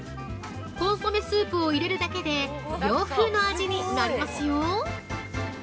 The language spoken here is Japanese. コンソメスープを入れるだけで洋風の味になりますよ。